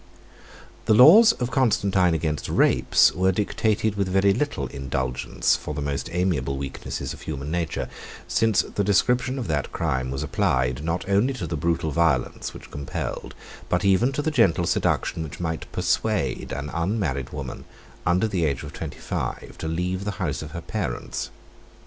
94 2. The laws of Constantine against rapes were dictated with very little indulgence for the most amiable weaknesses of human nature; since the description of that crime was applied not only to the brutal violence which compelled, but even to the gentle seduction which might persuade, an unmarried woman, under the age of twenty five, to leave the house of her parents.